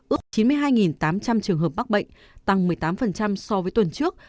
ước chín mươi hai tám trăm linh trường hợp mắc bệnh tăng một mươi tám so với tuần trước